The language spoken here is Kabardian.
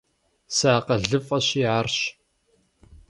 СыакъылыфӀэщи, арщ.